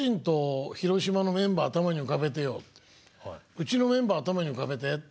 「うちのメンバー頭に浮かべて」って。